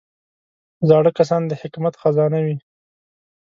زاړه کسان د حکمت خزانه وي